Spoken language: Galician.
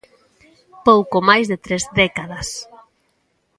Pouco máis de tres décadas.